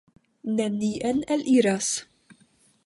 Nenien eliras.